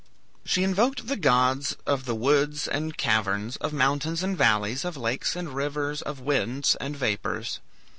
She invoked the gods of the woods and caverns, of mountains and valleys, of lakes and rivers, of winds and vapors.